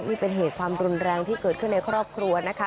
นี่เป็นเหตุความรุนแรงที่เกิดขึ้นในครอบครัวนะคะ